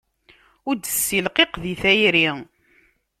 Ur d-ssilqiq di tayri.